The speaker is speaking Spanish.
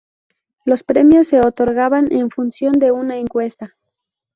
Los premios se otorgaban en función de una encuesta.